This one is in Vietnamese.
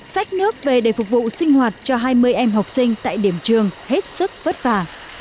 sách nước về để phục vụ sinh hoạt cho hai mươi em học sinh tại điểm trường hết sức vất vả